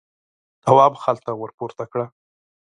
تواب خلته ور پورته کړه.